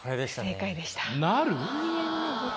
正解でした。